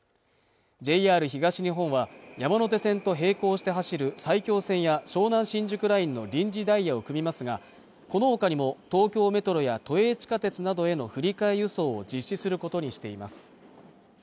ＪＲ東日本は山手線と並行して走る埼京線や湘南新宿ラインの臨時ダイヤを組みますがこの他にも東京メトロや都営地下鉄などへの振り替え輸送を実施することにしています